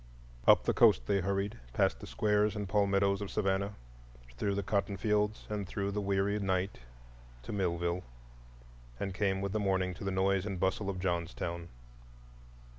Up the coast they hurried, past the squares and palmettos of Savannah, through the cotton fields and through the weary night, to Millville, and came with the morning to the noise and bustle of Johnstown.